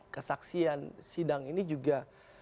kesaksian sidang ini juga